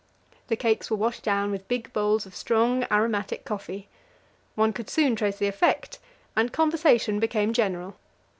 The cakes were washed down with big bowls of strong, aromatic coffee. One could soon trace the effect, and conversation became general.